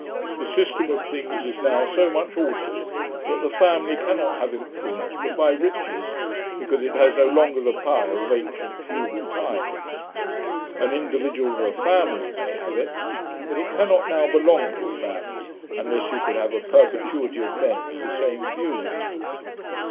The system of things is now so much altered, that the family cannot have influence but by riches, because it has no longer the power of ancient feudal times. An individual of a family may have it; but it cannot now belong to a family, unless you could have a perpetuity of men with the same views.